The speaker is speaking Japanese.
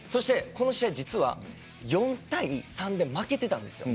この試合は４対３で負けていたんです